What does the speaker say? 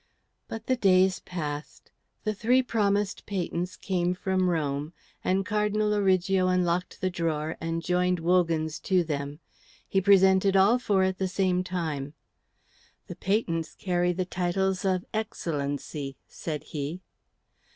But the days passed. The three promised patents came from Rome, and Cardinal Origo unlocked the drawer and joined Wogan's to them. He presented all four at the same time. "The patents carry the titles of 'Excellency,'" said he.